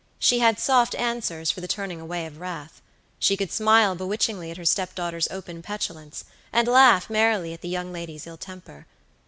She had soft answers for the turning away of wrath. She could smile bewitchingly at her step daughter's open petulance, and laugh merrily at the young lady's ill temper.